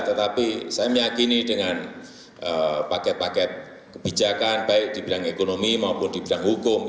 tetapi saya meyakini dengan paket paket kebijakan baik di bidang ekonomi maupun di bidang hukum